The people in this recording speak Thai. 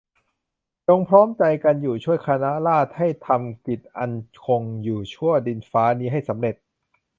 จงพร้อมใจกันช่วยคณะราษฎรให้ทำกิจอันจะคงอยู่ชั่วดินฟ้านี้ให้สำเร็จ